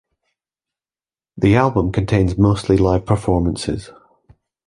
The album contains mostly live performances.